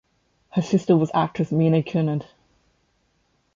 Her sister was actress Mina Cunard.